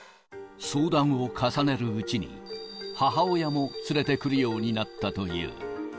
相談を重ねるうちに、母親もつれてくるようになったという。